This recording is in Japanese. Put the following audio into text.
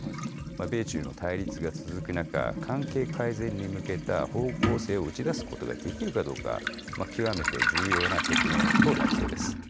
米中の対立が続く中、関係改善に向けた方向性を打ち出すことができるかどうか、極めて重要な局面となりそうです。